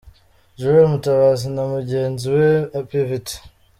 Joel Mutabazi na mugenzi we Pvt.